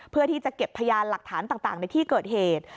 เพื่อที่จะเก็บพยานหลักฐานต่างในที่เกิดเหตุ